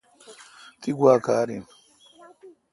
تی گوا کار این۔